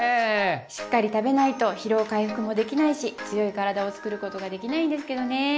しっかり食べないと疲労回復もできないし強い体をつくることができないんですけどね。